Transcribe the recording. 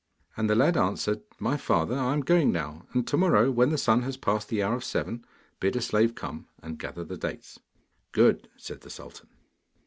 And the lad answered: 'My father, I am going now, and to morrow, when the sun has passed the hour of seven, bid a slave come and gather the dates.' 'Good,' said the sultan.